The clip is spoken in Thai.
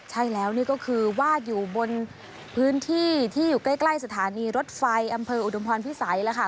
ใช่แล้วนี่ก็คือวาดอยู่บนพื้นที่ที่อยู่ใกล้สถานีรถไฟอำเภออุดมพรพิสัยแล้วค่ะ